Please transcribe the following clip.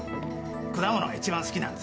果物が一番好きなんですよ。